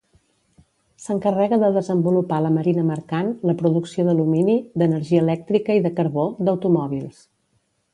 S'encarrega de desenvolupar la marina mercant, la producció d'alumini, d'energia elèctrica i de carbó, d'automòbils.